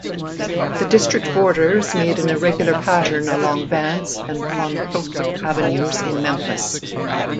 The district borders made an irregular pattern along Vance and Pontotoc Avenues in Memphis.